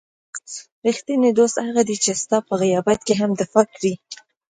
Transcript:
رښتینی دوست هغه دی چې ستا په غیابت کې هم دفاع کړي.